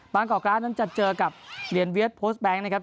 ก่อการร้ายนั้นจะเจอกับเหรียญเวียดโพสต์แบงค์นะครับ